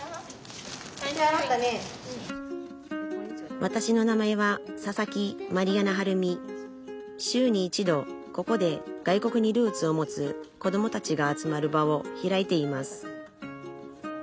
わたしの名前は週に一度ここで外国にルーツを持つこどもたちが集まる場を開いています